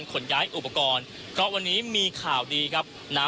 คุณทัศนาควดทองเลยค่ะ